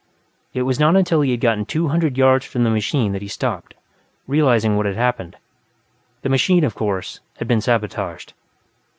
It was not until he had gotten two hundred yards from the machine that he stopped, realizing what had happened. The machine, of course, had been sabotaged.